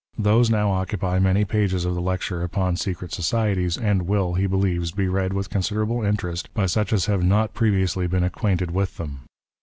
Those now occupy many pages of the lecture upon Secret Societies, and will, he behoves, be read with considerable interest by such as have not previously been acquainted with them.